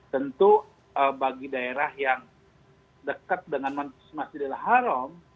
tentu bagi daerah yang dekat dengan masjid al haram